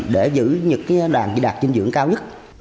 để giữ những đoàn vi đạc dinh dưỡng cao nhất